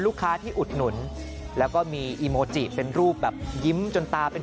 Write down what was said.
ลูกค้าที่อุดหนุนแล้วก็มีอีโมจิเป็นรูปแบบยิ้มจนตาเป็น